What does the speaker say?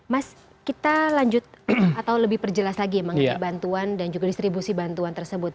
mas kita lanjut atau lebih perjelas lagi ya mengenai bantuan dan juga distribusi bantuan tersebut